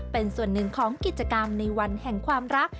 เป็นส่วนหนึ่งของกิจกรรมในวันแห่งความรัก